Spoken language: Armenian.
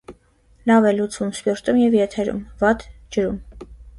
Լավ է լուծվում սպիրտում և եթերում, վատ՝ ջրում։